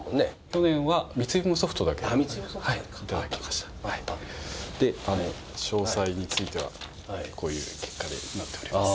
去年は蜜いものソフトだけいただきましたであの詳細についてはこういう結果でなっております